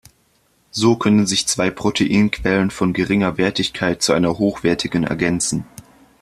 So können sich zwei Proteinquellen von geringer Wertigkeit zu einer hochwertigen ergänzen.